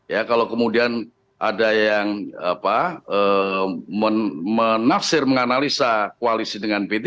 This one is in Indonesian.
ya kalau kemudian ada yang menafsir menganalisa koalisi dengan p tiga